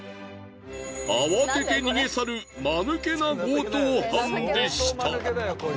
慌てて逃げ去るマヌケな強盗犯でした。